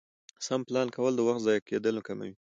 سم پلان کول د وخت ضایع کېدل کموي